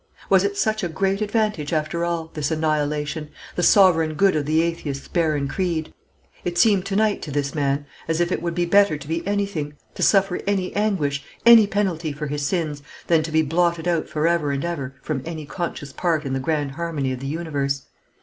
Was it such a great advantage, after all, this annihilation, the sovereign good of the atheist's barren creed? It seemed to night to this man as if it would be better to be anything to suffer any anguish, any penalty for his sins, than to be blotted out for ever and ever from any conscious part in the grand harmony of the universe.